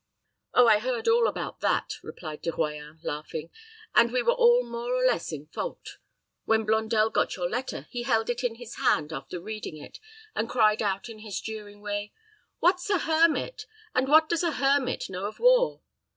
"Oh, I heard all about that," replied De Royans, laughing; "and we were all more or less in fault. When Blondel got your letter, he held it in his hand, after reading it, and cried out, in his jeering way, 'What's a hermit? and what does a hermit know of war?'